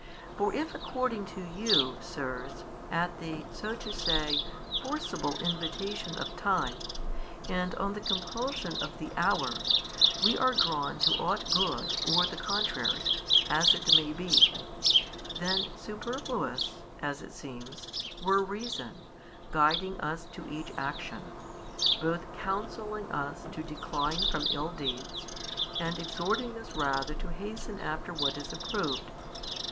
For if according to you, sirs, at the, so to say, forcible invitation of time, and on the compulsion of the hour, we are drawn to ought good or the contrary, as it may be, then superfluous (as it seems) were reason, guiding us to each action, both counselling us to decline from ill deeds, and exhorting us rather to hasten after what is approved.